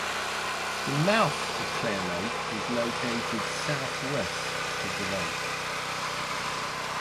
The mouth of Clair Lake is located southwest of the lake.